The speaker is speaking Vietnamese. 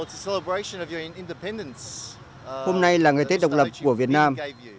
hôm nay là ngày tết độc lập của việt nam